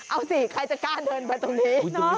เอาสิใครจะกล้าเดินไปตรงนี้